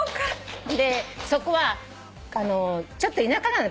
でそこはちょっと田舎なの。